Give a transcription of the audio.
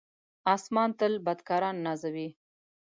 آسمان تل بدکاران نازوي.